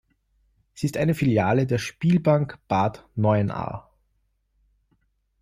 Sie ist eine Filiale der Spielbank Bad Neuenahr.